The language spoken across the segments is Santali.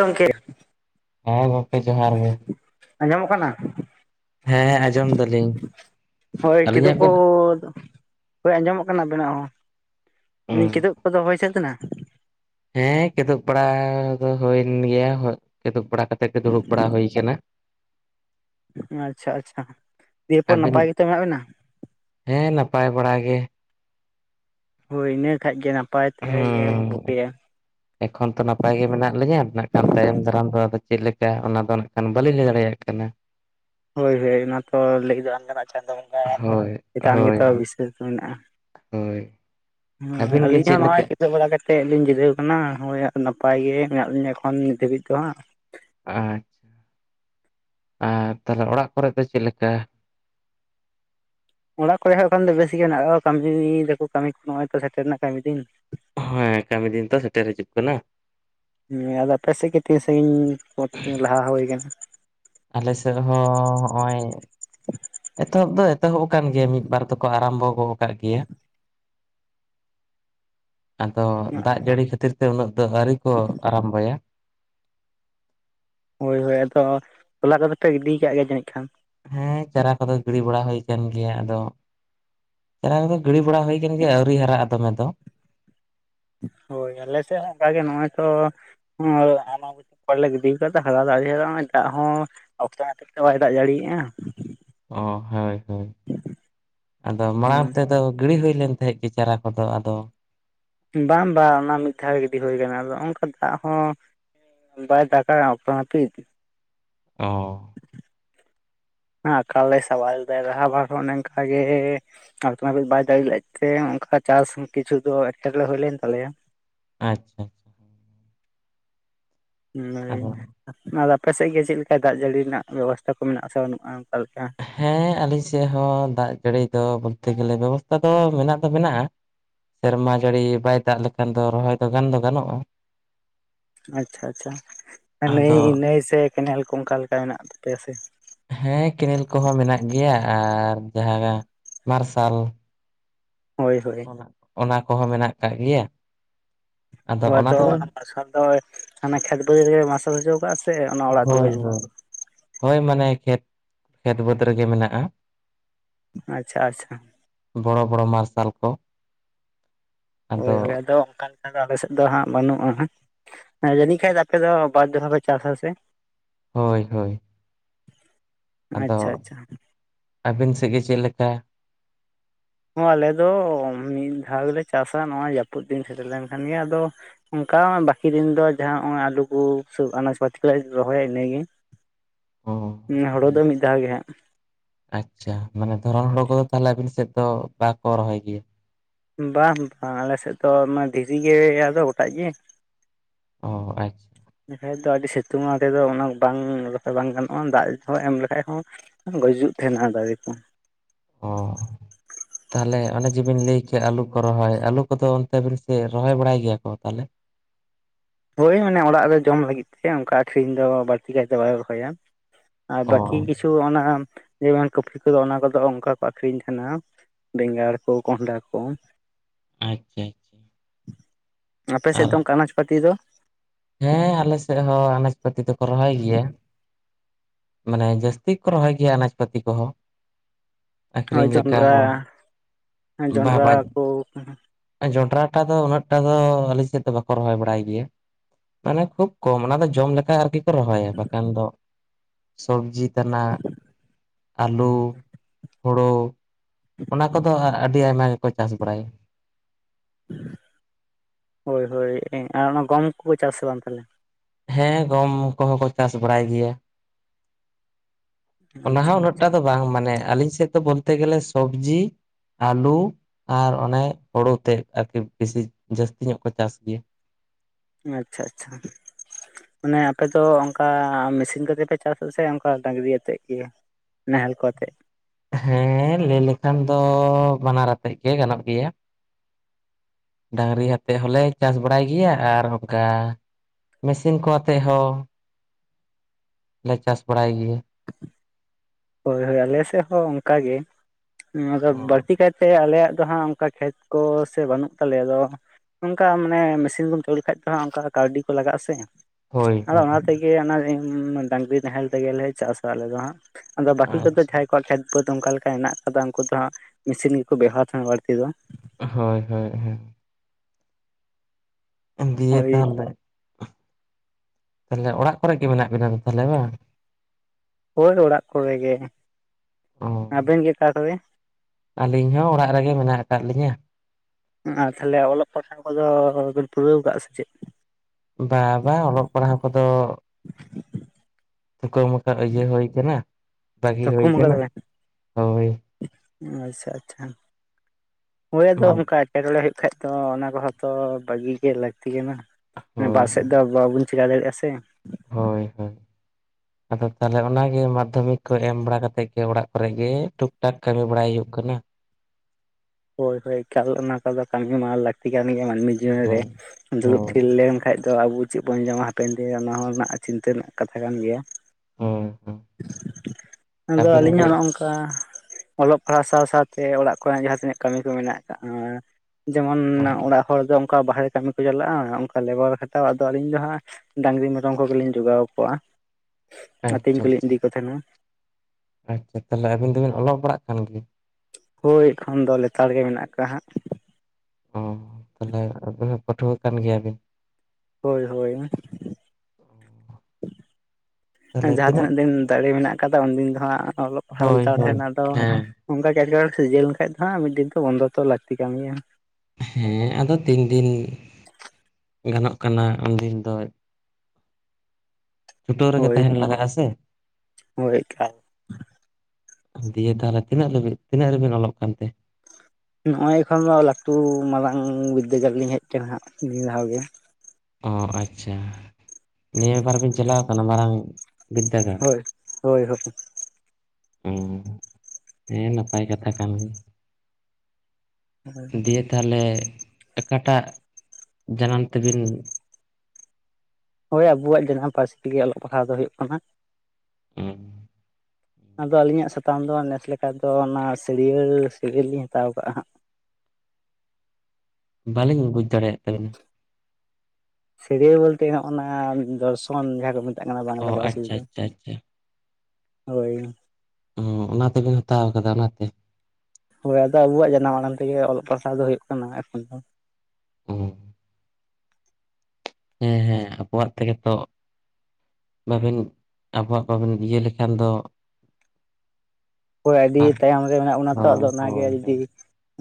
ᱜᱚᱢᱠᱮ ᱦᱮᱸ ᱜᱚᱢᱠᱮ ᱡᱚᱦᱟᱨ ᱜᱮ ᱟᱸᱡᱚᱢᱚᱜ ᱠᱟᱱᱟ ᱦᱮᱸ ᱟᱸᱡᱚᱢ ᱫᱟᱞᱤᱧ ᱦᱳᱭ ᱠᱤᱫᱩ ᱟᱹᱞᱤᱧᱟᱜ ᱠᱚ ᱵᱮᱱ ᱦᱳᱭ ᱟᱸᱡᱚᱢᱚᱜ ᱠᱟᱱᱟ ᱟᱵᱮᱱᱟᱜ ᱦᱚᱸ ᱦᱩᱸ᱾ ᱢᱮᱱᱫᱤᱧ ᱠᱤᱫᱩᱵ ᱠᱚᱫᱚᱦ ᱦᱩᱭ ᱥᱟᱹᱛ ᱮᱱᱟ ᱦᱮᱸ ᱠᱮᱫᱩᱵ ᱯᱟᱲᱟ ᱫᱚ ᱦᱩᱭᱮᱱ ᱜᱮᱭᱟ ᱠᱮᱫᱩᱵ ᱯᱟᱲᱟ ᱠᱟᱛᱮ ᱜᱮ ᱫᱩᱲᱩᱵ ᱵᱟᱲᱟ ᱦᱩᱭ ᱠᱟᱱᱟ ᱟᱪᱪᱷᱟ ᱟᱪᱪᱷᱟ ᱫᱤᱭᱮᱯᱚᱨ ᱟᱹᱵᱤᱱ ᱱᱟᱯᱟᱭ ᱜᱮᱛᱚ ᱢᱮᱱᱟᱜ ᱵᱮᱱᱟ? ᱦᱮᱸ ᱱᱟᱯᱟᱭ ᱵᱟᱲᱟ ᱜᱮ ᱦᱳᱭ ᱤᱱᱟᱹ ᱠᱷᱟᱡ ᱜᱮ ᱱᱟᱯᱟᱭ ᱛᱟᱦᱮᱸ ᱜᱮ ᱦᱩᱸ᱾ ᱵᱩᱜᱤᱭᱟ ᱮᱠᱷᱚᱱ ᱛᱚ ᱱᱟᱯᱟᱭ ᱜᱮ ᱢᱮᱱᱟᱜ ᱞᱤᱧᱟ ᱢᱮᱱᱠᱷᱟᱱ ᱛᱟᱭᱚᱢ ᱫᱟᱨᱟᱢ ᱫᱚ ᱪᱮᱫ ᱞᱮᱠᱟ ᱚᱱᱟ ᱫᱚ ᱱᱟᱜᱠᱷᱟᱱ ᱵᱟᱹᱞᱤᱧ ᱞᱟᱹᱭ ᱫᱟᱲᱮᱭᱟᱜ ᱠᱟᱱᱟ᱾ ᱦᱳᱭ ᱦᱳᱭ ᱚᱱᱟ ᱛᱚ ᱞᱟᱹᱭ ᱫᱚ ᱵᱟᱝ ᱜᱟᱱᱚᱜ ᱼᱟ ᱟᱪᱪᱷᱟ ᱛᱚ ᱦᱳᱭ [inaudible] ᱪᱮᱛᱟᱱ ᱦᱳᱭ ᱜᱮᱛᱚ ᱵᱤᱥᱟᱹ ᱢᱮᱱᱟᱜᱼᱟ ᱦᱳᱭ ᱦᱮᱸ ᱟᱹᱵᱤᱱ ᱜᱮ ᱟᱹᱞᱤᱧ ᱦᱚᱸ ᱪᱮᱫ ᱞᱮᱠᱟ ᱱᱚᱣᱟ ᱡᱚᱢ ᱵᱟᱲᱟ ᱠᱟᱛᱮᱫ ᱞᱤᱧ ᱡᱤᱨᱟᱹᱣ ᱟᱠᱟᱱᱟ ᱦᱳᱭ ᱱᱟᱯᱟᱭ ᱜᱮ ᱢᱮᱱᱟᱜ ᱞᱤᱧᱟᱹ ᱮᱠᱷᱚᱱ ᱱᱤᱛ ᱫᱷᱟᱹᱵᱤᱡ ᱫᱚ ᱦᱟᱸᱜ ᱟᱪᱪᱷᱟ ᱟᱨ ᱛᱟᱦᱚᱞᱮ ᱚᱲᱟᱜ ᱠᱚᱨᱮ ᱫᱚ ᱪᱮᱫ ᱞᱮᱠᱟ? ᱚᱲᱟᱜ ᱠᱚᱨᱮ ᱦᱚᱸ ᱮᱠᱷᱚᱱ ᱫᱚ ᱵᱮᱥ ᱜᱮ ᱢᱮᱱᱟᱜ ᱠᱚᱣᱟ ᱠᱟᱹᱢᱤᱭ ᱫᱟᱠᱚ ᱠᱟᱹᱢᱤ ᱠᱚ ᱱᱚᱜᱼᱚᱭ ᱛᱚ ᱥᱮᱴᱮᱨ ᱨᱮᱱᱟᱜ ᱠᱟᱹᱢᱤ ᱫᱤᱱ ᱦᱮᱸ ᱠᱟᱹᱢᱤ ᱫᱤᱱ ᱛᱚ ᱥᱮᱴᱮᱨ ᱦᱤᱡᱩᱜ ᱠᱟᱱᱟ ᱦᱮᱸ ᱟᱫᱚ ᱟᱯᱮᱥᱮᱫ ᱜᱮ ᱛᱤᱱ ᱥᱟᱹᱜᱤᱧ ᱞᱟᱦᱟ ᱦᱩᱭ ᱠᱟᱱᱟ ᱟᱞᱮ ᱥᱮᱫ ᱦᱚᱸ ᱦᱚᱜᱼᱚᱭ ᱮᱛᱚᱦᱚᱵ ᱫᱚ ᱮᱛᱚᱦᱚᱵ ᱟᱠᱟᱱ ᱜᱮᱭᱟ ᱢᱤᱫ ᱵᱟᱨ ᱫᱚᱠᱚ ᱟᱨᱟᱢᱵᱷᱚ ᱟᱠᱟᱫ ᱜᱮᱭᱟ᱾ ᱟᱫᱚ ᱫᱟᱜ ᱡᱟᱹᱲᱤ ᱠᱷᱟᱹᱛᱤᱨ ᱛᱮ ᱩᱱᱟᱹᱜ ᱫᱚ ᱟᱶᱨᱤ ᱠᱚ ᱟᱨᱟᱢᱵᱷᱚᱭᱟ ᱦᱳᱭ ᱦᱳᱭ ᱟᱫᱚ ᱛᱚᱞᱟ ᱠᱚᱫᱚ ᱯᱮ ᱜᱤᱰᱤ ᱟᱠᱟᱫ ᱜᱮᱭᱟ ᱡᱟᱹᱱᱤᱡ ᱠᱷᱟᱱ? ᱦᱮᱸ ᱪᱟᱨᱟ ᱠᱚᱫᱚ ᱜᱤᱰᱤ ᱵᱟᱲᱟ ᱦᱩᱭ ᱟᱠᱟᱱ ᱜᱮᱭᱟ ᱟᱫᱚ ᱪᱟᱨᱟ ᱠᱚ ᱫᱚ ᱜᱤᱲᱤ ᱵᱟᱲᱟ ᱦᱩᱭ ᱠᱟᱱ ᱜᱮᱭᱟ ᱟᱹᱣᱨᱤ ᱦᱟᱨᱟᱜᱼᱟ ᱫᱚᱢᱮ ᱫᱚ ᱦᱳᱭ ᱟᱞᱮ ᱥᱮᱫ ᱦᱚᱸ ᱚᱱᱠᱟᱜᱮ ᱱᱚᱜᱼᱚᱭ ᱛᱚ ᱟᱭ ᱟᱯᱷᱚᱨ ᱞᱮ ᱜᱤᱰᱤ ᱟᱠᱟᱫᱟ ᱦᱟᱨᱟᱣ ᱫᱚ ᱫᱟᱜ ᱦᱚᱸ ᱚᱠᱛᱚ ᱦᱚᱛ ᱛᱮ ᱵᱟᱭ ᱫᱟᱜ ᱡᱟᱲᱤᱭᱮᱜᱼᱟ ᱚ ᱦᱳᱭ ᱦᱳᱭ ᱟᱫᱚ ᱢᱟᱲᱟᱝ ᱛᱮᱫᱚ ᱜᱤᱲᱤ ᱦᱩᱭ ᱞᱮᱱ ᱛᱟᱦᱮᱸᱫ ᱠᱤᱪᱷᱩ ᱪᱟᱨᱟ ᱠᱚᱫᱚ ᱟᱫᱚ ᱵᱟᱝ ᱵᱟᱝ ᱚᱱᱟ ᱢᱤᱫ ᱫᱷᱟᱣ ᱨᱮ ᱜᱤᱰᱤ ᱦᱩᱭ ᱟᱠᱟᱱᱟ ᱟᱫᱚ ᱚᱱᱠᱟ ᱫᱟᱜ ᱦᱚᱸ ᱵᱟᱭ ᱫᱟᱠᱟ ᱚᱠᱛᱚ ᱱᱟᱯᱤᱛ ᱚ [inaudible] ᱦᱮ ᱟᱠᱟᱞ ᱮ ᱥᱟᱶᱟᱞ ᱫᱟᱭ ᱞᱟᱦᱟ ᱵᱟᱨ ᱦᱚ ᱚᱱᱮ ᱚᱱᱠᱟ ᱜᱮ ᱚᱠᱛᱚ ᱱᱟᱯᱤᱛ ᱵᱟᱭ ᱡᱟᱹᱲᱤ ᱞᱮᱫ ᱛᱮ ᱚᱱᱠᱟ ᱪᱟᱥ ᱠᱤᱪᱷᱩ ᱫᱚ ᱮᱴᱠᱮᱴᱬᱮ ᱦᱩᱭ ᱞᱮᱱ ᱛᱟᱞᱮᱭᱟ ᱟᱪᱪᱷᱟ ᱟᱪᱪᱷᱟ᱾ ᱟᱫᱚ ᱟᱫᱚ ᱟᱯᱮᱥᱮᱫ ᱜᱮ ᱪᱮᱫ ᱞᱮᱠᱟ ᱫᱟᱜ ᱡᱟᱹᱲᱤ ᱨᱮᱱᱟᱜ ᱵᱮᱵᱚᱥᱛᱷᱟ ᱠᱚ ᱢᱮᱱᱟᱜᱼᱟ ᱥᱮ ᱵᱟᱹᱱᱩᱜᱼᱟ ᱚᱱᱠᱟ ᱞᱮᱠᱟ ᱦᱮᱸ ᱟᱹᱞᱤᱧ ᱥᱮᱫ ᱦᱚᱸ ᱫᱟᱜ ᱡᱟᱹᱲᱤ ᱫᱚ ᱵᱚᱞᱛᱮ ᱜᱮᱞᱮ ᱵᱮᱵᱚᱥᱛᱷᱟ ᱫᱚ ᱢᱮᱱᱟᱜ ᱫᱚ ᱢᱮᱱᱟᱜᱼᱟ ᱥᱮᱨᱢᱟ ᱡᱟᱹᱲᱤ ᱵᱟᱭ ᱫᱟᱜ ᱞᱮᱠᱷᱟᱱ ᱫᱚ ᱨᱚᱦᱚᱭ ᱫᱚ ᱜᱟᱱ ᱫᱚ ᱜᱟᱱᱚᱜᱼᱟ᱾ ᱟᱪᱪᱷᱟ ᱟᱪᱪᱷᱟ ᱟᱫᱚ ᱱᱟᱹᱭ ᱱᱟᱹᱭ ᱥᱮ ᱠᱮᱱᱮᱞ ᱠᱚ ᱚᱱᱠᱟ ᱞᱮᱠᱟ ᱢᱮᱱᱟᱜ ᱛᱟᱯᱮᱭᱟ ᱥᱮ ᱦᱮᱸ ᱠᱮᱱᱮᱞ ᱠᱚᱦᱚᱸ ᱢᱮᱱᱟᱜ ᱜᱮᱭᱟ ᱟᱨ ᱡᱟᱦᱟᱸ ᱢᱟᱨᱥᱟᱞ ᱦᱳᱭ ᱦᱳᱭ ᱚᱱᱟ ᱚᱱᱟ ᱠᱚᱦᱚᱸ ᱢᱮᱱᱟᱜ ᱠᱟᱜ ᱜᱮᱭᱟ᱾ ᱦᱳᱭ ᱚᱱᱟ ᱟᱫᱚ ᱛᱮᱫᱚ ᱢᱟᱨᱥᱟᱞ ᱫᱚ ᱠᱷᱮᱛ ᱵᱟᱹᱫᱽ ᱜᱮ ᱢᱟᱨᱥᱟᱞ ᱦᱚᱪᱚ ᱟᱠᱟᱫᱼᱟ ᱥᱮ ᱚᱱᱟ ᱚᱲᱟᱜ ᱦᱳᱭ ᱫᱩᱣᱟᱹᱨ ᱦᱳᱭ ᱦᱳᱭ ᱢᱟᱱᱮ ᱠᱷᱮᱛ ᱠᱷᱮᱛ ᱵᱟᱹᱫᱽ ᱨᱮᱜᱮ ᱢᱮᱱᱟᱜᱼᱟ ᱟᱪᱪᱷᱟ ᱟᱪᱪᱷᱟ ᱵᱚᱲᱚ ᱵᱚᱲᱚ ᱢᱟᱨᱥᱟᱞ ᱠᱚ ᱦᱳᱭ ᱦᱳᱭ ᱟᱫᱚ ᱚᱱᱠᱟ ᱞᱮᱠᱟ ᱫᱚ ᱟᱞᱮ ᱥᱮᱫ ᱫᱚ ᱦᱟᱸᱜ ᱵᱟᱹᱱᱩᱜᱼᱟ ᱦᱟᱸᱜ ᱦᱮᱸ ᱡᱟᱹᱱᱤ ᱠᱷᱟᱱᱡ ᱫᱚ ᱟᱯᱮ ᱫᱚ ᱵᱟᱨ ᱫᱷᱚᱯᱟ ᱯᱮ ᱪᱟᱥ ᱟ ᱥᱮ ᱦᱳᱭ ᱦᱳᱭ ᱟᱫᱚ ᱟᱪᱪᱷᱟ ᱟᱪᱪᱷᱟ ᱟᱹᱵᱤᱱ ᱥᱮᱫ ᱜᱮ ᱪᱮᱫ ᱞᱮᱠᱟ ᱦᱚᱸ ᱟᱞᱮ ᱫᱚ ᱢᱤᱫ ᱫᱷᱟᱣ ᱜᱮᱞᱮ ᱪᱟᱥᱟ ᱱᱚᱣᱟ ᱡᱟᱹᱯᱩᱫ ᱫᱤᱱ ᱥᱮᱴᱮᱨ ᱞᱮᱱᱠᱷᱟᱱ ᱜᱮ ᱟᱫᱚ ᱚᱱᱠᱟ ᱵᱟᱹᱠᱤ ᱫᱤᱱ ᱫᱚ ᱡᱟᱦᱟᱸ ᱱᱚᱜ ᱚᱭ ᱟᱞᱩ ᱠᱚ ᱟᱱᱟᱡ ᱯᱟᱛᱤ ᱠᱚ ᱨᱚᱦᱚᱭᱟ ᱤᱱᱟᱹᱜᱮ ᱚ ᱦ ᱦᱳᱲᱳ ᱫᱚ ᱢᱤᱫ ᱫᱷᱟᱣ ᱜᱮ ᱦᱟᱸᱜ ᱟᱪᱪᱷᱟ ᱢᱟᱱᱮ ᱫᱷᱚᱨᱚᱱ ᱦᱚᱲ ᱠᱚᱫᱚ ᱛᱟᱦᱚᱞᱮ ᱟᱵᱤᱱ ᱥᱮᱫ ᱫᱚ ᱵᱟᱝᱠᱚ ᱨᱚᱦᱚᱭ ᱜᱮᱭᱟ ᱵᱟᱝ ᱵᱟᱝ ᱟᱞᱮ ᱥᱮᱫ ᱫᱚ ᱫᱷᱤᱨᱤ ᱜᱮᱭᱟ ᱟᱫᱚ ᱜᱚᱴᱟᱜ ᱜᱮ ᱚ ᱟᱪᱪᱷᱟ ᱤᱱᱟᱠᱷᱟ ᱫᱚ ᱟᱹᱰᱤ ᱥᱤᱛᱩᱝᱼᱟ ᱛᱮᱫᱚ ᱚᱱᱟ ᱵᱟᱝ ᱵᱟᱝ ᱜᱟᱱᱚᱜᱼᱟ ᱫᱟᱜ ᱮᱢ ᱞᱮᱠᱷᱟᱡ ᱦᱚᱸ ᱜᱡᱩᱜ ᱛᱟᱦᱮᱱᱟ ᱫᱟᱨᱮ ᱠᱚ ᱚ ᱛᱟᱦᱚᱞᱮ ᱚᱱᱮ ᱡᱮᱵᱤᱱ ᱞᱟᱹᱭ ᱠᱮᱭᱟ ᱟᱹᱞᱩ ᱠᱚ ᱨᱚᱦᱚᱭ ᱟᱹᱞᱩ ᱠᱚᱫᱚ ᱚᱱᱛᱮ ᱵᱤᱱ ᱨᱚᱦᱚᱭ ᱵᱟᱲᱟᱭ ᱜᱮᱭᱟ ᱠᱚ ᱛᱟᱦᱚᱞᱮ ᱦᱳᱭ ᱢᱟᱱᱮ ᱚᱲᱟᱜ ᱨᱮ ᱡᱚᱢ ᱞᱟᱹᱜᱤᱫ ᱛᱮ ᱚᱱᱠᱟ ᱟᱠᱷᱟᱨᱧ ᱫᱚ ᱵᱟᱹᱲᱛᱤ ᱠᱟᱭᱛᱮ ᱵᱟᱞᱮ ᱨᱚᱦᱚᱭᱟ ᱟᱨ ᱚ ᱵᱟᱹᱠᱤ ᱠᱤᱪᱷᱩ ᱚᱱᱟ ᱡᱮᱢᱚᱱ ᱠᱩᱯᱤ ᱠᱚᱫᱚ ᱚᱱᱟ ᱠᱚᱫᱚ ᱚᱱᱠᱟ ᱠᱚ ᱟᱠᱷᱨᱤᱧ ᱛᱟᱦᱮ ᱵᱮᱸᱜᱟᱲ ᱠᱚ ᱠᱚᱸᱦᱰᱟ ᱠᱚ ᱟᱪᱪᱷᱟ ᱟᱪᱪᱷᱟ ᱟᱯᱮ ᱥᱮᱫ ᱟᱨ ᱫᱚ ᱟᱱᱟᱪ ᱯᱟᱹᱛᱤ ᱫᱚ ᱦᱮᱸ ᱟᱞᱮ ᱥᱮᱫ ᱦᱚᱸ ᱟᱱᱟᱡᱽ ᱯᱟᱹᱛᱤ ᱫᱚᱠᱚ ᱨᱚᱦᱚᱭ ᱜᱮᱭᱟ ᱢᱟᱱᱮ ᱡᱟᱹᱥᱛᱤ ᱠᱚ ᱨᱚᱦᱚᱭ ᱜᱮᱭᱟ ᱟᱱᱟᱡᱽ ᱯᱟᱹᱛᱤ ᱠᱚᱦᱚᱸ ᱦᱳᱭ ᱟᱠᱷᱨᱤᱧ ᱞᱮᱠᱟ ᱡᱚᱱᱰᱨᱟ ᱦᱚᱸ ᱡᱚᱱᱰᱨᱟ ᱵᱟᱵᱟ ᱠᱚ ᱡᱚᱱᱰᱨᱟ ᱴᱟ ᱫᱚ ᱩᱱᱟᱹᱜ ᱴᱟ ᱫᱚ ᱟᱞᱮ ᱥᱮᱫ ᱫᱚ ᱵᱟᱠᱚ ᱨᱚᱦᱚᱭ ᱵᱟᱲᱟᱭ ᱜᱮᱭᱟ ᱢᱟᱱᱮ ᱠᱷᱩᱵ ᱠᱚᱢ ᱚᱱᱟ ᱫᱚ ᱡᱚᱢ ᱞᱮᱠᱟ ᱟᱨᱠᱤ ᱠᱚ ᱨᱚᱦᱚᱭᱟ ᱵᱟᱠᱷᱟᱱ ᱫᱚ ᱥᱚᱵᱽᱡᱤ ᱛᱟᱱᱟᱜ ᱟᱹᱞᱩ ᱦᱳᱲᱳ ᱚᱱᱟ ᱠᱚᱫᱚ ᱟᱨ ᱟᱹᱰᱤ ᱟᱭᱢᱟ ᱜᱮᱠᱚ ᱪᱟᱥ ᱵᱟᱲᱟᱭᱟ ᱦᱳᱭ ᱦᱳᱭ ᱟᱨ ᱚᱱᱟ ᱜᱚᱢ ᱠᱚᱠᱚ ᱪᱟᱥ ᱟ ᱥᱮ ᱵᱟᱝ ᱛᱟᱦᱚᱞᱮ ᱦᱮᱸ ᱜᱚᱢ ᱠᱚᱦᱚᱸ ᱠᱚ ᱪᱟᱥ ᱵᱟᱲᱟᱭ ᱜᱮᱭᱟ ᱚᱱᱟ ᱦᱚᱸ ᱟᱪᱪᱷᱟ ᱩᱱᱟᱹᱜ ᱴᱟ ᱫᱚ ᱵᱟᱝ ᱢᱟᱱᱮ ᱟᱹᱞᱤᱧ ᱥᱮᱫ ᱫᱚ ᱵᱚᱞᱛᱮ ᱜᱮᱞᱮ ᱥᱚᱵᱽᱡᱤ ᱟᱹᱞᱩ ᱟᱨ ᱚᱱᱮ ᱦᱳᱲᱳ ᱛᱮᱫ ᱟᱨᱠᱤ ᱵᱤᱥᱤ ᱡᱟᱹᱥᱛᱤ ᱧᱚᱜ ᱠᱚ ᱪᱟᱥ ᱜᱮᱭᱟ ᱟᱪᱪᱷᱟ ᱟᱪᱪᱷᱟ ᱢᱟᱱᱮ ᱟᱯᱮ ᱫᱚ ᱚᱱᱠᱟ ᱢᱮᱥᱤᱱ ᱠᱟᱛᱮᱫ ᱯᱮ ᱪᱟᱥᱟ ᱥᱮ ᱚᱱᱠᱟ ᱰᱟᱝᱨᱤ ᱟᱛᱮᱫ ᱜᱮ ᱱᱟᱦᱮᱞ ᱠᱚᱛᱮ ᱦᱮᱸ ᱞᱟᱹᱭ ᱞᱮᱠᱷᱟᱱ ᱫᱚ ᱵᱟᱱᱟᱨ ᱟᱛᱮᱫ ᱜᱮ ᱜᱟᱱᱚᱜ ᱜᱮᱭᱟ ᱰᱟᱝᱨᱤ ᱟᱛᱮᱫ ᱦᱚᱸ ᱞᱮ ᱪᱟᱥ ᱵᱟᱲᱟᱭ ᱜᱮᱭᱟ ᱟᱨ ᱚᱱᱠᱟ ᱢᱮᱥᱤᱱ ᱠᱚ ᱟᱛᱮᱫ ᱦᱚᱸ ᱞᱮ ᱪᱟᱥ ᱵᱟᱲᱟᱭ ᱜᱮᱭᱟ ᱦᱳᱭ ᱦᱳᱭ ᱟᱞᱮ ᱥᱮᱫ ᱦᱚᱸ ᱚᱱᱠᱟ ᱜᱮ ᱚ ᱵᱟᱹᱲᱛᱤ ᱠᱟᱭᱛᱮ ᱟᱞᱮᱭᱟᱜ ᱫᱚ ᱦᱟᱸᱜ ᱚᱱᱠᱟ ᱠᱷᱮᱛ ᱠᱚ ᱥᱮ ᱵᱟᱹᱱᱩᱜ ᱛᱟᱞᱮᱭᱟ ᱟᱫᱚ ᱚᱱᱠᱟ ᱢᱟᱱᱮ ᱢᱮᱥᱤᱱ ᱠᱚᱢ ᱪᱟᱹᱞᱩ ᱞᱮᱠᱷᱟᱡ ᱫᱚ ᱦᱟᱸᱜ ᱚᱱᱠᱟ ᱠᱟᱹᱣᱰᱤ ᱠᱚ ᱞᱟᱜᱟᱜᱼᱟ ᱥᱮ ᱦᱳᱭ ᱟᱫᱚ ᱦᱳᱭ ᱚᱱᱟ ᱛᱮᱜᱮ ᱚᱱᱟ ᱨᱤᱝ ᱰᱟᱝᱨᱤ ᱱᱟᱦᱮᱞ ᱛᱮᱜᱮ ᱞᱮ ᱪᱟᱥᱟ ᱟᱞᱮ ᱫᱚ ᱦᱟᱸᱜ ᱟᱫᱚ ᱵᱟᱹᱠᱤ ᱠᱚᱫᱚ ᱟᱪᱪᱷᱟ ᱡᱟᱦᱟᱸᱭ ᱠᱚᱣᱟᱜ ᱠᱷᱮᱛ ᱵᱟᱹᱫᱽ ᱚᱱᱠᱟ ᱞᱮᱠᱟ ᱦᱮᱱᱟᱜ ᱟᱫᱟᱱ ᱠᱚᱫᱚ ᱦᱟᱸᱜ ᱢᱤᱥᱤᱱ ᱜᱮᱠᱚ ᱵᱮᱣᱦᱟᱨ ᱛᱟᱦᱮᱱᱟ ᱵᱟᱹᱲᱛᱤ ᱫᱚ ᱦᱚᱭ ᱦᱚᱭ ᱦᱚᱭ ᱫᱤᱭᱮ ᱳᱭ ᱛᱟᱦᱞᱮ ᱛᱟᱞᱦᱮ ᱚᱲᱟᱜ ᱠᱚᱨᱮ ᱜᱮ ᱢᱮᱱᱟᱜ ᱵᱤᱱᱟ ᱛᱟᱞᱦᱮ ᱵᱟ ᱦᱳᱭ ᱚᱲᱟᱜ ᱠᱚᱨᱮ ᱜᱮ ᱚ ᱟᱵᱮᱱ ᱜᱮ ᱛᱟᱦᱞᱮ ᱟᱹᱞᱤᱧ ᱦᱚᱸ ᱚᱲᱟᱜ ᱨᱮᱜᱮ ᱢᱮᱱᱟᱜ ᱠᱟᱜ ᱞᱤᱧᱟᱹ ᱟᱨ ᱛᱦᱟᱞᱮ ᱚᱞᱚᱜ ᱯᱟᱲᱦᱟᱜ ᱠᱚᱫᱚ ᱵᱤᱱ ᱯᱩᱨᱟᱹᱣ ᱠᱟᱜ-ᱟ ᱥᱮ ᱪᱮᱫ ᱵᱟ ᱵᱟᱝ ᱚᱞᱚᱜ ᱯᱟᱲᱦᱟᱣ ᱠᱚᱫᱚ ᱩᱠᱟᱹ ᱢᱩ ᱤᱭᱟᱹ ᱦᱩᱭ ᱠᱟᱱᱟ ᱵᱟᱟᱹᱜᱤ ᱦᱩᱭ ᱛᱷᱩᱠᱩᱢ ᱠᱟᱱᱟ ᱠᱟᱫᱟ ᱵᱮᱱ ᱦᱳᱭ ᱟᱪᱪᱷᱟ ᱟᱪᱪᱷᱟ ᱦᱚᱭ ᱟᱫᱚ ᱢᱟ ᱚᱝᱠᱟ ᱮᱴᱚᱬᱮ ᱦᱩᱭᱩᱜ ᱠᱷᱟᱡ ᱫᱚ ᱚᱱᱟ ᱠᱚᱦᱚᱸ ᱛᱚ ᱵᱷᱟᱹᱜᱤ ᱜᱮ ᱞᱟᱹᱠᱛᱤ ᱠᱟᱱᱟ ᱦᱳᱭ ᱵᱟᱥ ᱥᱮᱫ ᱫᱚ ᱵᱟᱵᱚᱱ ᱪᱮᱲᱟ ᱫᱟᱲᱮᱭᱟᱜ-ᱟ ᱥᱮ ᱦᱚᱭ ᱦᱚᱭ ᱟᱫᱚ ᱛᱟᱞᱦᱮ ᱚᱱᱟᱜᱮ ᱢᱟᱫᱽᱫᱷᱚᱢᱤᱠ ᱠᱚ ᱮᱢ ᱵᱟᱲᱟ ᱠᱟᱛᱮᱜ ᱜᱮ ᱚᱲᱟᱜ ᱠᱚᱨᱮ ᱜᱮ ᱴᱩᱠ ᱴᱟᱠ ᱠᱟᱹᱢᱤ ᱵᱟᱲᱟᱭ ᱦᱩᱭᱩᱜ ᱠᱟᱱᱟ ᱦᱚᱭ ᱦᱚᱭ ᱮᱠᱟᱞ ᱚᱱᱟ ᱠᱚᱫᱚ ᱠᱟᱹᱢᱤ ᱢᱟ ᱞᱟᱹᱠᱛᱤ ᱠᱟᱱ ᱜᱮᱭᱟ ᱢᱟᱹᱱᱢᱤ ᱡᱤᱭᱚᱱ ᱨᱮ ᱦᱚᱸ ᱫᱩᱲᱩᱵ ᱦᱚᱸ ᱛᱷᱤᱨ ᱞᱮᱢ ᱠᱷᱟᱡ ᱫᱚ ᱟᱵᱚ ᱪᱮᱫ ᱵᱚᱱ ᱡᱟᱢᱟ ᱦᱟᱯᱮᱱ ᱫᱤᱱ ᱨᱮ ᱱᱚᱣᱟ ᱨᱮᱱᱟᱜ ᱪᱤᱱᱛᱟᱹ ᱨᱮᱱᱟᱜ ᱠᱟᱛᱷᱟ ᱠᱟᱱ ᱜᱮᱭᱟ ᱦᱚᱸ ᱦᱚᱸ ᱟᱫᱚ ᱟᱹᱵᱤᱱ ᱟᱞᱤᱧ ᱜᱮ ᱦᱚᱸ ᱱᱚᱜᱝᱠ ᱯᱟ ᱚᱞᱚᱜ ᱯᱟᱲᱦᱟᱣ ᱥᱟᱶ ᱥᱟᱶᱛᱮ ᱚᱲᱟᱜ ᱠᱚᱣᱟᱜ ᱡᱟᱦᱟᱸ ᱛᱤᱱᱟᱹᱜ ᱠᱟᱹᱢᱤ ᱠᱚ ᱢᱮᱱᱟᱜ ᱠᱟᱜ ᱱᱚᱣᱟ ᱡᱮᱢᱚᱱ ᱦᱚᱸ ᱚᱲᱟᱜ ᱦᱚᱲ ᱫᱚ ᱚᱝᱠᱟ ᱵᱟᱦᱨᱮ ᱠᱟᱹᱢᱤ ᱠᱚ ᱪᱟᱞᱟᱜ-ᱟ ᱚᱝᱠᱟ ᱞᱮᱵᱟᱨ ᱠᱷᱟᱴᱟᱣ ᱟᱫᱚ ᱟᱹᱞᱤᱧ ᱫᱚ ᱦᱟᱸᱜ ᱰᱟᱹᱝᱨᱤ ᱢᱮᱨᱚᱢ ᱠᱚᱜᱮᱞᱤᱧ ᱡᱚᱜᱟᱣ ᱠᱚᱣᱟ ᱟᱹᱛᱤᱧ ᱟᱪᱪᱷᱟ ᱠᱚᱞᱤᱧ ᱟᱪᱪᱷᱟ ᱤᱫᱤ ᱠᱚ ᱛᱦᱮᱱᱟ ᱟᱪᱪᱷᱟ ᱛᱦᱟᱞᱮ ᱟᱵᱤᱱ ᱫᱚᱵᱤᱱ ᱚᱞᱚᱜ ᱯᱟᱲᱟᱜ ᱠᱟᱱ ᱜᱮ ᱦᱳᱭ ᱮᱠᱷᱚᱱ ᱫᱚ ᱞᱮᱛᱟᱲ ᱜᱮ ᱢᱮᱱᱟᱜ ᱠᱟᱜ-ᱟ ᱦᱟᱸᱜ ᱚ ᱛᱚᱵᱮ ᱟᱵᱤᱱ ᱦᱚᱸ ᱯᱟᱹᱴᱷᱣᱟᱹ ᱠᱟᱱ ᱜᱮᱭᱟᱵᱤᱱ ᱦᱳᱭ ᱦᱳᱭ ᱡᱟᱦᱟᱸ ᱛᱤᱱᱟᱹᱜ ᱫᱤᱱ ᱫᱟᱲᱮ ᱢᱮᱱᱟᱜ ᱠᱟᱫᱟ ᱩᱱᱫᱤᱱ ᱫᱚ ᱦᱟᱸᱜ ᱚᱞᱚᱜ ᱯᱟᱲᱦᱟᱣ ᱦᱳᱭ ᱞᱮᱛᱟᱲ ᱦᱳᱭ ᱛᱟᱦᱮᱱᱟ ᱟᱫᱚ ᱦᱮᱸ ᱚᱝᱠᱟ ᱜᱮ ᱟᱹᱰᱤ ᱜᱟᱱ ᱥᱤᱡᱟᱹᱣ ᱠᱷᱟᱡ ᱢᱟ ᱢᱤᱫ ᱫᱤᱱ ᱫᱚ ᱵᱚᱱᱫᱚ ᱛᱚ ᱞᱟᱹᱠᱛᱤ ᱠᱟᱱ ᱜᱮᱭᱟ ᱦᱮᱸ ᱟᱫᱚ ᱛᱤᱱ ᱫᱤᱱ ᱜᱟᱱᱚᱜ ᱠᱟᱱᱟ ᱩᱱᱫᱤᱱ ᱫᱚ ᱪᱷᱩᱴᱟᱹᱣ ᱨᱮᱜᱮ ᱦᱳᱭ ᱛᱟᱦᱮᱱ ᱞᱟᱜᱟᱜ-ᱟ ᱥᱮ ᱦᱳᱭ [unintelligible] ᱤᱭᱟᱹ ᱛᱟᱞᱦᱮ ᱛᱤᱱᱟᱹᱜ ᱨᱮᱵᱤᱱ ᱛᱤᱱᱟᱹᱜ ᱨᱮᱵᱤᱱ ᱚᱞᱚᱜ ᱠᱟᱱᱛᱮ ᱱᱚᱜ ᱚᱭ ᱮᱠᱷᱚᱱ ᱫᱚ ᱞᱟᱹᱴᱩ ᱢᱟᱨᱟᱝ ᱵᱤᱫᱽᱫᱟᱹᱜᱟᱲ ᱞᱤᱧ ᱦᱮᱡ ᱠᱟᱱᱟ ᱦᱟᱸᱜ ᱱᱤᱭᱟᱹ ᱫᱷᱟᱣ ᱜᱮ ᱚ ᱟᱪᱪᱷᱟ ᱱᱤᱭᱟᱹ ᱵᱟᱨ ᱵᱤᱱ ᱪᱟᱞᱟᱣ ᱠᱟᱱᱟ ᱢᱟᱨᱟᱝ ᱵᱤᱫᱫᱟᱜᱟᱲ ᱦᱳᱭ ᱦᱳᱭ ᱦᱳᱭ ᱦᱩ ᱦᱮᱸ ᱱᱟᱯᱟᱭ ᱠᱟᱛᱷᱟ ᱠᱟᱱ ᱜᱮ ᱦᱮ ᱫᱤᱭᱮ ᱛᱟᱦᱞᱮ ᱚᱠᱟᱴᱟᱜ ᱡᱟᱱᱟᱢ ᱛᱮᱵᱤᱱ ᱦᱚᱭ ᱟᱵᱚᱣᱟᱜ ᱡᱟᱱᱟᱢ ᱯᱟᱹᱨᱥᱤ ᱛᱮᱜᱮ ᱚᱞᱚᱜ ᱯᱟᱲᱦᱟᱣ ᱫᱚ ᱦᱩᱭᱩᱜ ᱠᱟᱱᱟ ᱟᱫᱚ ᱟᱹᱞᱤᱧᱟᱜ ᱥᱟᱛᱟᱢ ᱫᱚ ᱱᱮᱥ ᱞᱮᱠᱟ ᱫᱚ ᱚᱱᱟ ᱥᱟᱲᱭᱟᱹ ᱥᱟᱹᱨᱭᱟᱹᱲ ᱞᱤᱧ ᱦᱟᱛᱟᱣ ᱠᱟᱜ-ᱟ ᱦᱟᱸᱜ ᱵᱟᱹᱞᱤᱧ ᱵᱩᱡᱽ ᱫᱟᱲᱮᱭᱟᱜ ᱛᱟᱵᱤᱱᱟ ᱥᱟᱹᱨᱭᱟᱹᱞᱲ ᱵᱚᱞᱛᱮ ᱱᱚᱜ-ᱚ ᱱᱟ ᱫᱚᱨᱥᱚᱱ ᱡᱟᱦᱟᱸ ᱠᱚ ᱢᱮᱛᱟᱜ ᱠᱟᱱᱟ ᱚ ᱵᱟᱝᱞᱟ ᱯᱟᱹᱨᱥᱤ ᱟᱪᱪᱷᱟ ᱫᱚ ᱟᱪᱪᱷᱟ ᱟᱪᱪᱷᱟ ᱦᱳᱭ ᱚ ᱚᱱᱟ ᱛᱮᱵᱤᱱ ᱦᱟᱛᱟᱣ ᱠᱟᱫᱟ ᱚᱱᱟᱛᱮ ᱦᱳᱭ ᱟᱫᱚ ᱟᱵᱚᱣᱟᱜ ᱡᱟᱱᱟᱢ ᱟᱲᱟᱝ ᱛᱮᱜᱮ ᱚᱞᱚᱜ ᱯᱟᱲᱦᱟᱣ ᱫᱚ ᱦᱩᱭᱩᱜ ᱠᱟᱱᱟ ᱮᱠᱷᱚᱱ ᱫᱚ ᱩᱸ ᱦᱮᱸ ᱦᱮᱸ ᱟᱵᱚᱣᱟᱜ ᱛᱮᱜᱮ ᱛᱚ ᱵᱟᱵᱤᱱ ᱟᱵᱚᱣᱟᱜ ᱵᱟᱵᱤᱱ ᱤᱭᱟᱹ ᱞᱮᱠᱷᱟᱱ ᱫᱚ ᱚᱭ ᱟᱹᱰᱤ ᱵᱟᱝ ᱛᱟᱭᱚᱢ ᱨᱮ ᱢᱮᱱᱟᱜ ᱵᱚᱱᱟ ᱛᱚ ᱦᱳᱭ ᱟᱫᱚ ᱚᱱᱟᱜᱮ ᱦᱳᱭ ᱡᱩᱫᱤ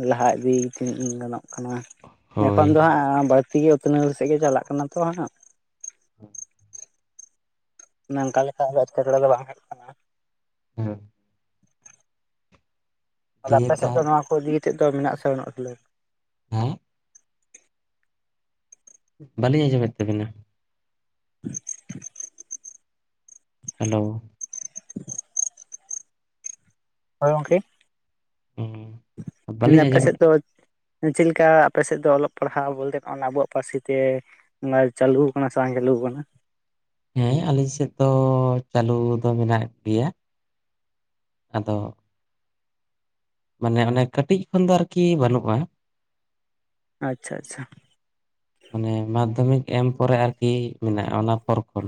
ᱞᱟᱦᱟ ᱤᱫᱤ ᱛᱤᱱᱟᱹᱜ ᱜᱟᱱᱚᱜ ᱠᱟᱱᱟ ᱦᱳᱭ ᱮᱠᱷᱚᱱ ᱫᱚ ᱦᱟᱸᱜ ᱵᱟᱹᱲᱛᱤ ᱜᱮ ᱩᱛᱱᱟᱹᱣ ᱥᱮᱜ ᱜᱮ ᱪᱟᱞᱟᱜ ᱠᱟᱱᱟ ᱛᱚ ᱦᱟᱸᱜ ᱦ ᱱᱚᱝᱠᱟ ᱞᱮᱠᱷᱟ ᱫᱚ [unintelligible] ᱵᱟᱝ ᱠᱟᱱᱟ ᱦᱮᱸ ᱟᱫᱚ ᱫᱤᱭᱮ ᱟᱯᱮ ᱥᱮᱫ ᱫᱚ ᱛᱟᱦᱚᱞᱮ ᱱᱚᱣᱟ ᱠᱚ ᱤᱫᱤ ᱠᱟᱛᱮᱫ ᱫᱚ ᱢᱮᱱᱟᱜᱥᱮ ᱵᱟᱹᱱᱩᱜ ᱠᱷᱮ [unintelligible] ᱦᱮᱸ ᱵᱟᱹᱞᱤᱧ ᱟᱸᱡᱚᱢᱮᱫ ᱛᱟᱵᱤᱱᱟ ᱦᱮᱞᱳ ᱦᱳᱭ ᱜᱚᱝᱠᱮ ᱵᱟᱹᱞᱤᱧ ᱟᱯᱮ ᱥᱮᱫ ᱟᱸᱡᱚᱢᱮᱫ ᱫᱚ ᱪᱮᱫᱮᱞᱠᱟ ᱟᱯᱮ ᱥᱮᱫ ᱫᱚ ᱚᱞᱚᱜ ᱯᱟᱲᱦᱟᱣ ᱵᱚᱞᱛᱮᱼᱱᱟ ᱟᱵᱚᱣᱟᱜ ᱯᱟᱹᱨᱥᱤ ᱛᱮ ᱚᱱᱟ ᱪᱟᱹᱞᱩ ᱟᱠᱟᱱᱟ ᱥᱮ ᱵᱟᱝ ᱪᱟᱹᱞᱩ ᱟᱠᱟᱱᱟ ᱦᱮᱸ ᱟᱹᱞᱮ ᱥᱮᱫ ᱫᱚ ᱪᱟᱹᱞᱩ ᱫᱚ ᱢᱮᱱᱟᱜ ᱜᱮᱭᱟ ᱟᱫᱚ ᱢᱟᱱᱮ ᱚᱱᱮ ᱠᱟᱹᱴᱤᱡ ᱠᱷᱚᱱ ᱫᱚ ᱟᱨᱠᱤ ᱵᱟᱹᱱᱩᱜᱼᱟ ᱟᱪᱪᱷᱟ ᱟᱪᱪᱷᱟ ᱢᱟᱱᱮ ᱢᱟᱫᱽᱫᱷᱚᱢᱤᱠ ᱮᱢ ᱯᱚᱨᱮ ᱟᱨᱠᱤ ᱢᱮᱱᱟᱜᱼᱟ ᱚᱱᱟ ᱯᱚᱨ ᱠᱷᱚᱱ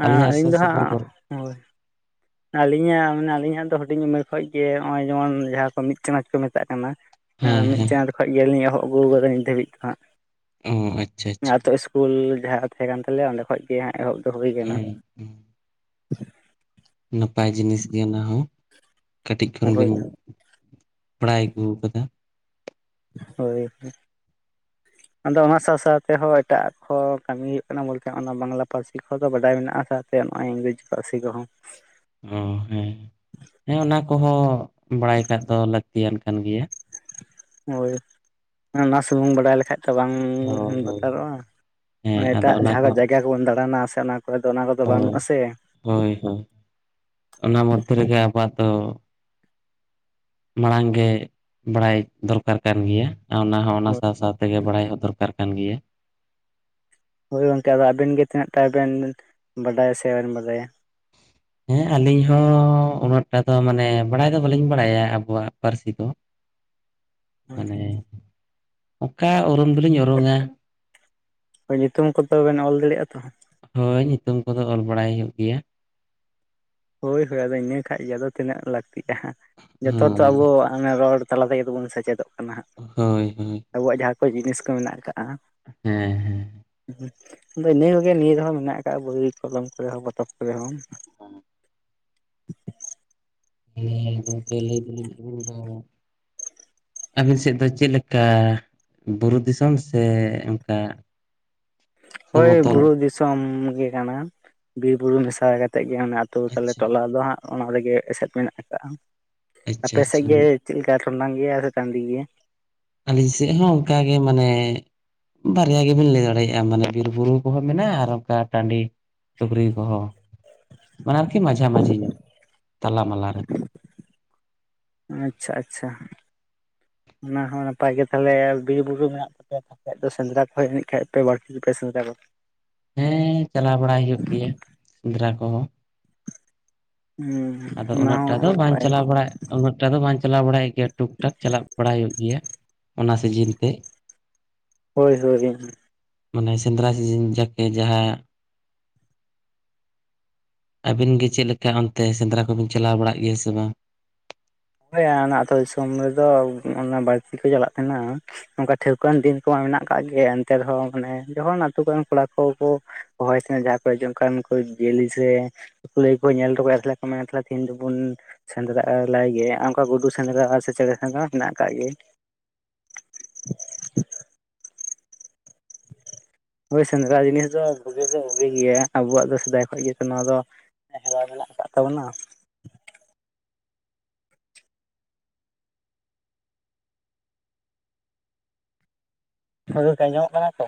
ᱚ ᱟᱹᱞᱤᱧᱟᱜ ᱥᱩᱨ ᱤᱧᱫᱚ ᱥᱩᱯᱩᱨ ᱦᱟᱸᱜ ᱠᱚᱨᱮ ᱦᱳᱭ ᱟᱹᱞᱤᱧᱟᱜ ᱢᱟᱱᱮ ᱟᱹᱞᱤᱧᱟᱜ ᱫᱚ ᱦᱩᱰᱤᱧ ᱩᱢᱮᱨ ᱠᱷᱚᱱᱚᱡ ᱜᱮ ᱱᱚᱜᱼᱚᱭ ᱡᱮᱢᱚᱱ ᱡᱟᱦᱟᱸ ᱠᱚ ᱢᱤᱫ ᱪᱟᱱᱟᱪ ᱠᱚ ᱢᱮᱛᱟᱜ ᱠᱟᱱᱟ ᱦᱮᱸ ᱢᱤᱫ ᱪᱟᱸᱫ ᱠᱷᱚᱱᱚᱡ ᱜᱮᱞᱤᱧ ᱮᱦᱚ ᱟᱹᱜᱩ ᱠᱟᱫᱟ ᱱᱤᱛ ᱫᱷᱟᱹᱵᱤᱡ ᱫᱚ ᱚ ᱟᱪᱪᱷᱟ ᱟᱪᱪᱷᱟ ᱦᱟᱸᱜᱛᱳᱩᱞ ᱥᱠᱩᱞ ᱡᱟᱦᱟᱸ ᱛᱟᱦᱮᱸ ᱠᱟᱱ ᱛᱟᱞᱮᱭᱟ ᱚᱸᱰᱮ ᱠᱷᱚᱱ ᱜᱮ ᱦᱟᱸᱜ ᱮᱦᱚᱵ ᱫᱚ ᱦᱩᱭ ᱟᱠᱟᱱᱟ ᱦᱮᱸ ᱦᱮᱸ ᱱᱟᱯᱟᱭ ᱡᱤᱱᱤᱥ ᱜᱮ ᱚᱱᱟᱦ ᱠᱟᱹᱴᱤᱡ ᱠᱷᱚᱱ ᱦᱳᱭ ᱵᱮᱱ ᱵᱟᱲᱟᱭ ᱟᱹᱜᱩ ᱠᱟᱫᱟ ᱦᱳᱭ [inaudible] ᱟᱫᱚ ᱚᱱᱟ ᱥᱟᱶ ᱥᱟᱶᱛᱮᱦᱚᱸ ᱮᱴᱟᱜ ᱠᱚ ᱠᱟᱹᱢᱤ ᱦᱩᱭᱩᱜ ᱠᱟᱱᱟ ᱵᱚᱞᱛᱮ ᱚᱱᱟ ᱵᱟᱝᱞᱟ ᱯᱟᱹᱨᱥᱤ ᱠᱚ ᱫᱚ ᱵᱟᱰᱟᱭ ᱢᱮᱱᱟᱜᱼᱟ ᱥᱟᱶᱛᱮ ᱱᱚᱜᱼᱚᱭ ᱤᱝᱜᱨᱮᱩᱡᱽᱤ ᱞᱟᱨᱥᱤ ᱠᱚᱦᱚᱸ ᱚ ᱦᱮᱸ ᱦᱮᱸ ᱚᱱᱟ ᱠᱚᱦᱚᱸ ᱵᱟᱲᱟᱭ ᱠᱟᱜ ᱫᱚ ᱞᱟᱹᱠᱛᱤᱭᱟᱱ ᱠᱟᱱ ᱜᱮᱭᱟ ᱦᱳᱭ ᱚᱱᱟ ᱥᱩᱢᱩᱝ ᱵᱟᱰᱟᱭ ᱞᱮᱠᱷᱟᱡ ᱵᱟᱝ ᱦᱳᱭ ᱦᱳᱭ ᱵᱟᱛᱟᱨᱚᱜᱼᱟ ᱦᱮᱸ ᱟᱫᱚ ᱮᱴᱟᱜ ᱚᱱᱟ ᱡᱟᱦᱟᱸ ᱠᱚ ᱡᱟᱭᱜᱟ ᱠᱚᱵᱚᱱ ᱫᱟᱬᱟᱱᱟ ᱥᱮ ᱚᱱᱟ ᱚᱠᱚᱭ ᱫᱚ ᱚᱱᱟ ᱠᱚᱫᱚ ᱦᱳᱭ ᱵᱟᱹᱱᱩᱜᱼᱟ ᱥᱮ ᱦᱳᱭ ᱦᱳᱭ ᱚᱱᱟ ᱢᱚᱫᱽᱫᱷᱮ ᱨᱮᱜᱮ ᱟᱵᱚᱣᱟᱜ ᱫᱚ ᱢᱟᱲᱟᱝ ᱜᱮ ᱵᱟᱲᱟᱭ ᱫᱚᱨᱠᱟᱨ ᱠᱟᱱ ᱜᱮᱭᱟ ᱚᱱᱟ ᱦᱚᱸ ᱚᱱᱟ ᱥᱟᱶ ᱥᱟᱶ ᱛᱮᱜᱮ ᱵᱟᱲᱟᱭ ᱦᱚᱸ ᱫᱚᱨᱠᱟᱨ ᱠᱟᱱ ᱜᱮᱭᱟ ᱦᱳᱭ ᱜᱚᱝᱠᱮ ᱟᱫᱚ ᱟᱵᱮᱱ ᱜᱮ ᱛᱤᱱᱟᱹᱜ ᱴᱟᱵᱮᱱ ᱵᱟᱰᱟᱭᱟ ᱥᱮ ᱵᱟᱵᱮᱱ ᱵᱟᱰᱟᱭᱟ ᱦᱮᱸ ᱟᱹᱞᱤᱧ ᱦᱚᱸ ᱩᱱᱟᱹᱜᱴᱟ ᱫᱚ ᱢᱟᱱᱮ ᱵᱟᱲᱟᱭ ᱫᱚ ᱵᱟᱹᱞᱤᱧ ᱵᱟᱲᱟᱭᱟ ᱟᱵᱚᱣᱟᱜ ᱯᱟᱹᱨᱥᱤ ᱫᱚ [inaudible] ᱦᱳᱸ ᱚᱠᱟ ᱩᱨᱩᱢ ᱫᱚᱞᱤᱧ ᱩᱨᱩᱝᱟ ᱧᱩᱛᱩᱢ ᱠᱚ ᱛᱚ ᱵᱮᱱ ᱚᱞ ᱫᱟᱲᱮᱭᱟᱜᱼᱟ ᱛᱚ ᱦᱳᱭ ᱧᱩᱛᱩᱢ ᱠᱚᱫᱚ ᱚᱞ ᱵᱟᱲᱟᱭ ᱦᱩᱭᱩᱜ ᱜᱮᱭᱟ ᱦᱳᱭ ᱦᱳᱭ ᱟᱫᱚ ᱤᱱᱟᱹ ᱠᱷᱟᱱ ᱜᱮ ᱟᱫᱚ ᱛᱤᱱᱟᱹᱜ ᱞᱟᱹᱠᱛᱤᱜᱼᱟ ᱡᱚᱛ ᱛᱚ ᱦᱳᱭ ᱟᱵᱚ ᱚᱱᱟ ᱨᱚᱲ ᱛᱟᱞᱟ ᱛᱮᱜᱮᱵᱚᱱ ᱥᱮᱪᱮᱫᱚᱜ ᱠᱟᱱᱟ ᱦᱟᱸᱜ ᱦᱳᱭ ᱦᱳᱭ ᱟᱵᱚᱣᱟᱜ ᱡᱟᱦᱟᱸ ᱠᱚ ᱡᱤᱱᱤᱥ ᱠᱚ ᱢᱮᱱᱟᱜ ᱟᱠᱟᱜᱼᱟ ᱦᱮᱸ ᱦᱮᱸ ᱟᱫᱚ ᱤᱱᱟᱹ ᱠᱚᱜᱮ ᱱᱤᱭᱟᱹ ᱨᱮᱦᱚᱸ ᱢᱮᱱᱟᱜ ᱟᱠᱟᱜ ᱵᱳᱣ ᱠᱚᱞᱚᱢ ᱠᱚᱨᱮ ᱦᱚᱸ ᱯᱚᱛᱚᱵ ᱠᱚᱨᱮ ᱦᱚᱸ ᱦᱚ [unintelligible] ᱟᱹᱵᱤᱱ ᱥᱮᱫ ᱫᱚ ᱪᱮᱫ ᱞᱮᱠᱟ ᱵᱩᱨᱩ ᱫᱤᱥᱚᱢ ᱥᱮ ᱚᱱᱠᱟ ᱦᱳᱭ ᱥᱚᱢᱚᱛᱚᱞ ᱵᱩᱨᱩ ᱫᱤᱥᱚᱢ ᱜᱮ ᱠᱟᱱᱟ ᱵᱤᱨ ᱵᱩᱨᱩ ᱢᱮᱥᱟ ᱠᱟᱛᱮᱫ ᱜᱮ ᱟᱹᱛᱩᱳ ᱛᱟᱞᱮ ᱟᱪᱪᱷᱟ ᱴᱚᱞᱟ ᱫᱚ ᱦᱟᱸᱜ ᱚᱱᱟ ᱨᱮᱜᱮ ᱮᱥᱮᱫ ᱢᱮᱱᱟᱜ ᱟᱠᱟᱜᱼᱟ ᱟᱪᱪᱷᱟ ᱟᱯᱮᱥᱮᱫ ᱟᱪᱪᱷᱟ ᱜᱮ ᱪᱮᱜ ᱞᱮᱠᱟ ᱴᱚᱸᱰᱟᱝ ᱜᱮᱭᱟ ᱥᱮ ᱴᱟᱸᱰᱤ ᱜᱮᱭᱟ? ᱟᱹᱞᱤᱧ ᱥᱮᱜ ᱦᱚᱸ ᱚᱱᱠᱟ ᱜᱮ ᱢᱟᱱᱮᱼᱼ ᱵᱟᱨᱭᱟ ᱜᱤᱵᱮᱱ ᱞᱟᱹᱭ ᱫᱟᱲᱮᱭᱟᱜ-ᱟ ᱢᱟᱱᱮ ᱵᱤᱨ ᱵᱩᱨᱩ ᱠᱩᱦᱚᱸ ᱢᱮᱱᱟᱜ-ᱟ ᱟᱨ ᱚᱱᱠᱟ ᱴᱟᱸᱰᱤ ᱴᱩᱠᱨᱤ ᱠᱚᱦᱚᱸ ᱢᱟᱱᱮ ᱟᱨᱠᱤ ᱢᱟᱡᱷᱟᱼᱢᱟᱹᱡᱷᱤ ᱧᱚᱜ ᱛᱟᱞᱟ ᱢᱟᱞᱟ ᱨᱮ᱾ ᱟᱪᱪᱷᱟ ᱟᱪᱪᱷᱟ᱾ ᱚᱱᱟ ᱦᱚᱸ ᱱᱟᱯᱟᱭ ᱜᱮ ᱛᱟᱦᱚᱞᱮ ᱵᱤᱨ ᱵᱩᱨᱩ ᱢᱮᱱᱟᱜ ᱛᱟᱯᱮᱭᱟᱼᱼ ᱠᱷᱟᱡ ᱫᱚ ᱥᱮᱸᱫᱽᱨᱟ ᱠᱷᱚᱡ ᱱᱤᱡ ᱠᱷᱟᱡ ᱯᱮ ᱵᱟᱲᱛᱤ ᱜᱮᱯᱮ ᱥᱮᱸᱫᱽᱨᱟ ᱠᱚᱣᱟ? ᱦᱮᱸᱦᱮᱸ ᱪᱟᱞᱟᱣ ᱵᱟᱲᱟᱭ ᱦᱩᱭᱩᱜ ᱜᱮᱭᱟ ᱥᱮᱸᱫᱽᱨᱟ ᱠᱚᱦᱚᱸ᱾ ᱦᱩᱸᱦᱩᱸ᱾ ᱟᱫᱚ ᱩᱱᱟᱹᱜ ᱴᱟ ᱫᱚ ᱵᱟᱝ ᱪᱟᱞᱟᱣ ᱵᱟᱲᱟᱭ ᱩᱱᱟᱹᱜ ᱴᱟ ᱫᱚ ᱵᱟᱝ ᱪᱟᱞᱟᱣ ᱵᱟᱲᱟᱭ ᱜᱮᱭᱟ ᱴᱩᱠ ᱴᱟᱠ ᱪᱟᱞᱟᱜ ᱵᱟᱲᱟᱭ ᱦᱩᱭᱩᱜ ᱜᱮᱭᱟ᱾ ᱚᱱᱟ ᱥᱤᱡᱤᱱ ᱛᱮᱜ᱾ ᱦᱳᱭ ᱦᱳᱭ ᱢᱟᱱᱮ ᱥᱮᱸᱫᱽᱨᱟ ᱥᱤᱡᱤᱱ ᱡᱟᱠᱮ ᱡᱟᱦᱟᱸᱼᱼ ᱟᱹᱵᱤᱱ ᱜᱮ ᱪᱮᱜ ᱞᱮᱠᱟ ᱚᱱᱛᱮ ᱥᱮᱸᱫᱽᱨᱟ ᱠᱚᱵᱤᱱ ᱪᱟᱞᱟᱣ ᱵᱟᱲᱟᱜ ᱜᱮᱭᱟ ᱥᱮ ᱵᱟᱝ? ᱦᱮᱭ ᱟᱱᱟ ᱟᱛᱩ ᱫᱤᱥᱚᱢ ᱨᱮᱫᱚ ᱚᱸᱜ-ᱚᱱᱟ ᱵᱟᱲᱛᱤ ᱠᱚ ᱪᱟᱞᱟᱜ ᱛᱮᱦᱮᱱᱟᱼᱼ ᱚᱱᱠᱟ ᱴᱷᱟᱹᱣᱠᱟᱹ ᱣᱟᱱ ᱫᱤᱱ ᱠᱚᱢᱟ ᱢᱮᱱᱟᱜ ᱠᱟᱜ ᱜᱮ ᱮᱱᱛᱮ ᱨᱮᱦᱚᱸ ᱢᱟᱱᱮ ᱡᱚᱠᱷᱚᱱ ᱟᱛᱩ ᱠᱚᱨᱮᱱ ᱠᱚᱲᱟ ᱠᱚ ᱠᱚᱼᱼ ᱦᱚᱭ ᱛᱮᱱ ᱡᱟᱦᱟᱸ ᱠᱚᱨᱮ ᱡᱮ ᱚᱱᱠᱟᱱ ᱠᱩ ᱡᱮᱞᱤ ᱥᱮᱼᱼ ᱠᱩᱞᱟᱹᱭ ᱠᱚ ᱧᱮᱞ ᱫᱚ ᱠᱟᱭᱟ ᱛᱟᱦᱮᱞᱮ ᱠᱚ ᱢᱮᱱᱟ ᱛᱷᱟᱞᱮ ᱛᱮᱦᱮᱧ ᱫᱚᱵᱚᱱ ᱥᱮᱸᱫᱽᱨᱟᱜ ᱞᱟᱭ ᱜᱮ᱾ ᱟᱨ ᱚᱱᱠᱟ ᱜᱩᱰᱩ ᱥᱮᱸᱫᱽᱨᱟ ᱥᱮ ᱪᱮᱬᱮ ᱥᱮᱸᱫᱽᱨᱟ ᱦᱮᱱᱟᱜ ᱟᱠᱟᱜ ᱜᱮ᱾ ᱦᱳᱭ ᱥᱮᱸᱫᱽᱨᱟ ᱡᱤᱱᱤᱥ ᱫᱚ ᱵᱩᱜᱤ ᱫᱚ ᱵᱩᱜᱤ ᱜᱮᱭᱟ ᱟᱵᱚᱣᱟᱜ ᱫᱚ ᱥᱮᱫᱟᱭ ᱠᱷᱚᱡ ᱜᱮᱛᱚ ᱱᱚᱣᱟ ᱫᱚᱼᱼ ᱮ ᱦᱮᱣᱟ ᱢᱮᱱᱟᱜ ᱟᱠᱟᱫ ᱛᱟᱵᱚᱱᱟ᱾ ᱦᱚᱭ ᱜᱚᱝᱠᱮ ᱟᱸᱡᱚᱢᱚᱜ ᱠᱟᱱᱟ ᱛᱚ?